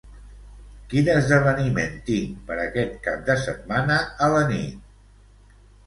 Quin esdeveniment tinc per aquest cap de setmana a la nit?